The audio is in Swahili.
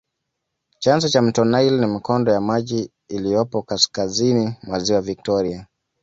Chanzo cha mto nile ni mikondo ya maji iliyopo kaskazini mwa ziwa Victoria